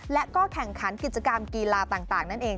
และก็แข่งขันกิจกรรมกีฬาต่างนั่นเอง